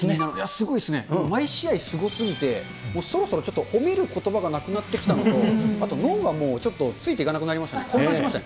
すごいですね。毎試合すごすぎて、そろそろちょっと褒めることばがなくなってきたのと、あと脳がもうちょっとついていかなくなりましたね、混乱しました。